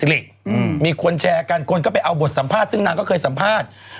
มีคนแชร์กันคนก็ไปเอาบทสัมภาษณ์ซึ่งนางก็เคยสัมภาษณ์